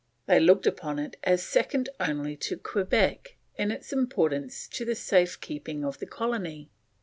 They looked upon it as second only to Quebec in its importance to the safe keeping of the colony.